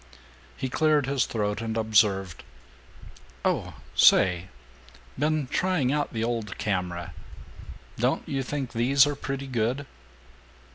He cleared his throat and observed, "Oh say, been trying out the old camera. Don't you think these are pretty good?"